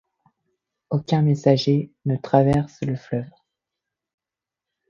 Aucun messager ne traverse le fleuve.